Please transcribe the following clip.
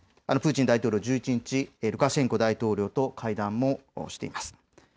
プーチン大統領、１１日、ルカシェンコ大統領と会談もしています。